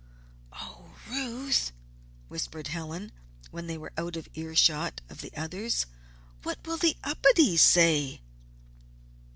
"Oh, Ruth!" whispered Helen, when they were out of ear shot of the others. "What will the Upedes say?"